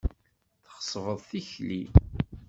Tɣeṣbeḍ tikli!